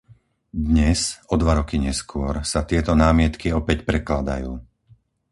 Dnes, o dva roky neskôr, sa tieto námietky opäť prekladajú.